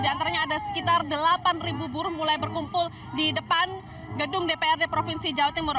di antaranya ada sekitar delapan buruh mulai berkumpul di depan gedung dprd provinsi jawa timur